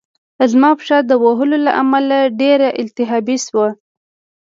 زما پښه د وهلو له امله ډېره التهابي شوه